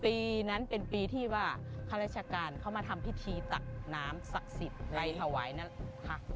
ปีนั้นเป็นปีที่ว่าข้าราชการเขามาทำพิธีตักน้ำศักดิ์สิทธิ์ไปถวายนั่นแหละค่ะ